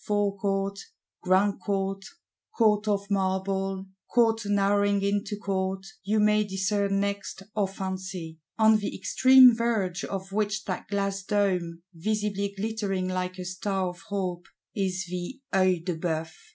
Forecourt, Grand Court, Court of Marble, Court narrowing into Court you may discern next, or fancy: on the extreme verge of which that glass dome, visibly glittering like a star of hope, is the—Œil de Bœuf!